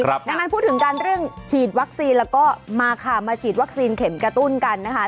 ดังนั้นพูดถึงการเรื่องฉีดวัคซีนแล้วก็มาค่ะมาฉีดวัคซีนเข็มกระตุ้นกันนะคะ